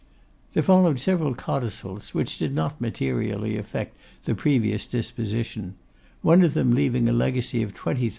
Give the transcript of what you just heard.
There followed several codicils which did not materially affect the previous disposition; one of them leaving a legacy of 20,000_l.